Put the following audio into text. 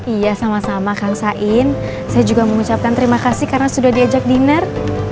iya sama sama kang sain saya juga mengucapkan terima kasih karena sudah diajak dinner